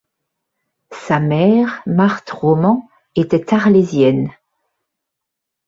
Sa mère, Marthe Roman, était arlésienne.